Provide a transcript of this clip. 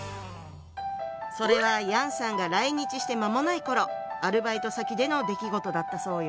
それは楊さんが来日して間もない頃アルバイト先での出来事だったそうよ。